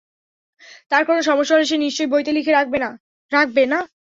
তার কোন সমস্যা হলে, সে নিশ্চয় বইতে লিখে রাখবে, না?